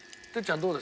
どうですか？